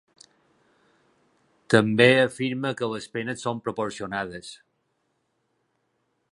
També afirma que les penes són proporcionades.